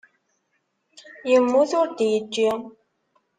Yemmut ur d-yeǧǧi.